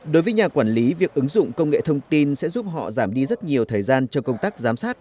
đối với nhà quản lý việc ứng dụng công nghệ thông tin sẽ giúp họ giảm đi rất nhiều thời gian cho công tác giám sát